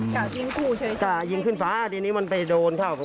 กล่าวจิงกู่ใช่ไหมครับกล่าวยิงขึ้นฟ้าอันนี้มันไปโดนเขาครับ